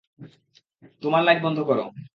তোমার লাইট বন্ধ কর।